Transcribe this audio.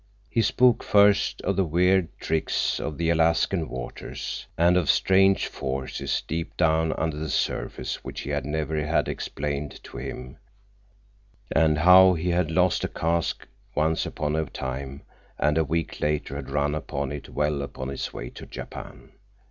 He spoke first of the weird tricks of the Alaskan waters, and of strange forces deep down under the surface which he had never had explained to him, and of how he had lost a cask once upon a time, and a week later had run upon it well upon its way to Japan.